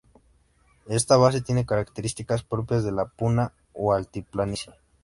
Esta base tiene características propias de la puna o altiplanicie.